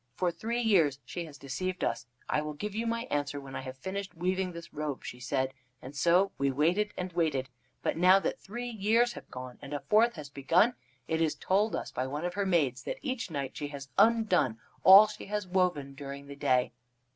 For three years she has deceived us. 'I will give you my answer when I have finished weaving this robe,' she said, and so we waited and waited. But now that three years have gone and a fourth has begun, it is told us by one of her maids that each night she has undone all she has woven during the day.